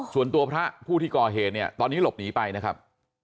พระผู้ที่ก่อเหตุเนี่ยตอนนี้หลบหนีไปนะครับ